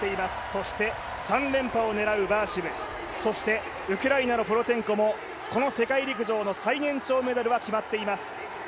そして３連覇を狙うバーシム、ウクライナのプロツェンコも世界陸上の最年長メダルは決まっています。